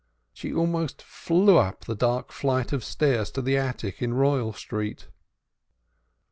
She almost flew up the dark flight of stairs to the attic in Royal Street.